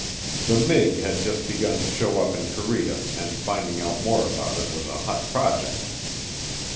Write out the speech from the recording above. The Mig had just begun to show up in Korea, and finding out more about it was a hot project.